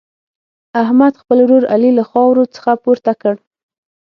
احمد، خپل ورور علي له خاورو څخه پورته کړ.